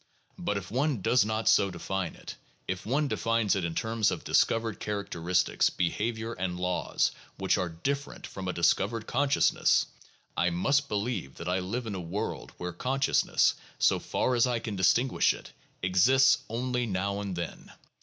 But if one does not so define it, if one defines it in terms of discovered characteristics, behavior, and laws which are different from a discovered consciousness, I must believe that I live in a world where consciousness, so far as I can distinguish it, exists only now and then.